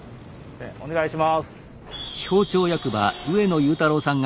お願いします。